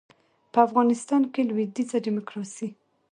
په افغانستان کې لویدیځه ډیموکراسي